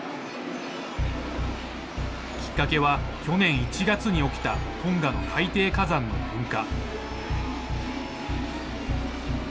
きっかけは、去年１月に起きたトンガの海底火山の噴火。